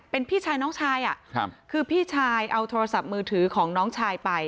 เป็นพี่ชายน้องชายคือพี่ชายเอาโทรศัพท์มือถือของน้องชายไป